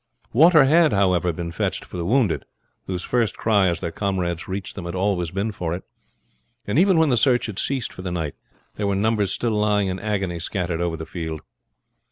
Water had, however, been fetched for the wounded, whose first cry as their comrades reached them had always been for it; and even when the search had ceased for the night, there were numbers still lying in agony scattered over the field.